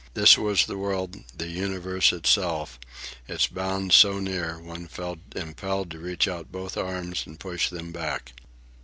This was the world, the universe itself, its bounds so near one felt impelled to reach out both arms and push them back.